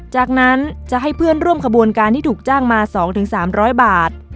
จากนั้นจะให้เพื่อนร่วมขบวนการที่ถูกจ้างมา๒๓๐๐บาท